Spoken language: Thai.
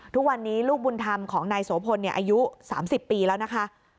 ทุกวันนี้ลูกบุญธรรมของนายโสพลเนี่ยอายุสามสิบปีแล้วนะคะ